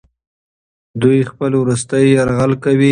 دوی خپل وروستی یرغل کوي.